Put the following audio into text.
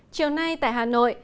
chiều nay tại hà nội